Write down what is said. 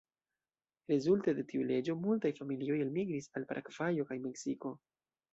Rezulte de tiu leĝo multaj familioj elmigris al Paragvajo kaj Meksiko.